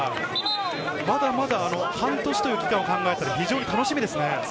まだまだ半年という期間を考えると、非常に楽しみですね。